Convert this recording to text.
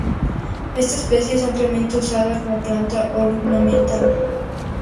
Esta especie es ampliamente usada como planta ornamental.